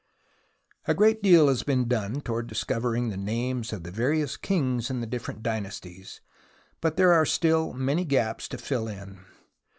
46 THE ROMANCE OF EXCAVATION A great deal has been done towards discovering the names of the various kings in the different Dynasties, but there are still many gaps to fill in.